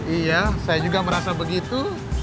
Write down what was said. iya saya juga merasa begitu